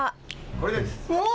これです。